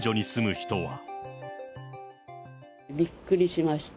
びっくりしました。